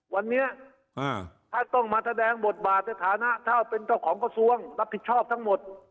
วันนี้ถ้าต้องมาแสดงบทบาทสถานะถ้าเป็นเจ้าของกระทรวงรับผิดชอบทั้งหมด